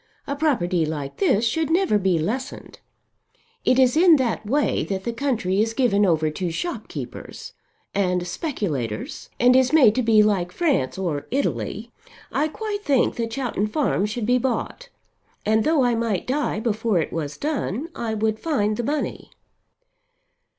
A property like this should never be lessened. It is in that way that the country is given over to shopkeepers and speculators and is made to be like France or Italy. I quite think that Chowton Farm should be bought. And though I might die before it was done, I would find the money."